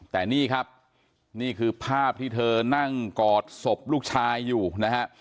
แต่นี่ครับนี่คือภาพที่เธอนั่งกอดศพลูกชายอยู่นะฮะ